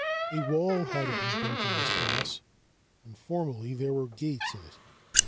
A wall had been built in this pass, and formerly there were gates in it.